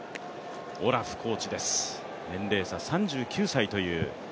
オラフコーチです、年齢差３９歳という。